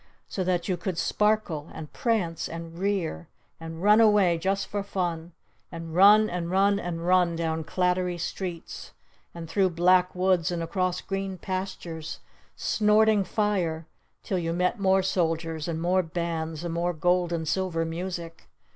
So that you could sparkle! And prance! And rear! And run away just for fun! And run and run and run down clattery streets and through black woods and across green pastures snorting fire till you met more Soldiers and more Bands and more Gold and Silver Music!